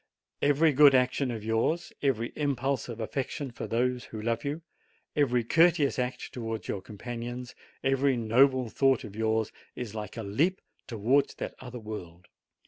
Every good action of yours, every impulse of affection for those who love you, every courteous act towards your companions, every noble thought of yours, is like a leap towards that other world.